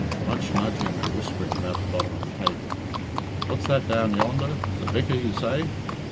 (Much nudging and whispering about the bottom of the table.) "What's that down yonder? 'The vicar,' you say?